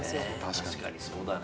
確かにそうだね。